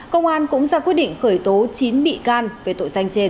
công an cũng ra quyết định khởi tố chín bị can về tội danh trên